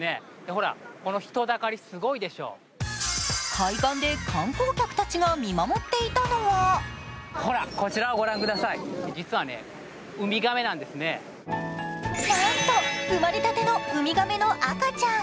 海岸で観光客たちが見守っていたのはなんと生まれたての海亀の赤ちゃん。